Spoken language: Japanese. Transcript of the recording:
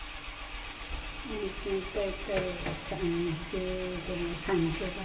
大体３５枚３０枚。